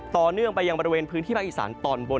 ต่อเนื่องไปยังบริเวณพื้นที่ภาคอีสานตอนบน